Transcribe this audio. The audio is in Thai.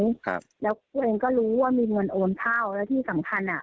ครับแล้วตัวเองก็รู้ว่ามีเงินโอนเข้าแล้วที่สำคัญอ่ะ